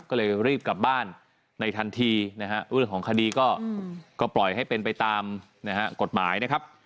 ก็เลยรีบกลับบ้านในทันทีรูปของคดีก็ปล่อยให้เป็นไปตามกฎหมายนะครับ